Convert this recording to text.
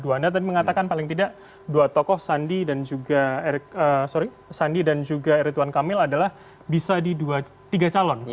anda tadi mengatakan paling tidak dua tokoh sandi dan juga erituan kamil adalah bisa di tiga calon